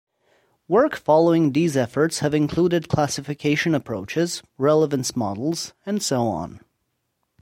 Work following these efforts have included classification approaches, relevance models and so on.